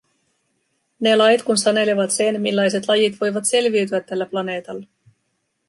Ne lait kun sanelevat sen, millaiset lajit voivat selviytyä tällä planeetalla.